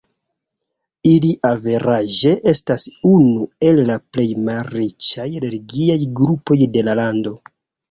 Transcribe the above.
Ili averaĝe estas unu el la plej malriĉaj religiaj grupoj de la lando.